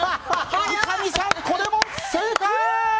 三上さん、これも正解！